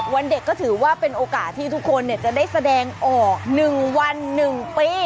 วันเด็กก็ถือว่าเป็นโอกาสที่ทุกคนจะได้แสดงออก๑วัน๑ปี